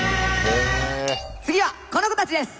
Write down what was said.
次はこの子たちです！